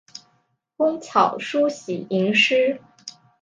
工草书喜吟诗。